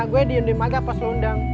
gue diundi mata pas lo undang